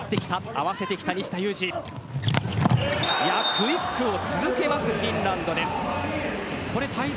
クイックを続けますフィンランド。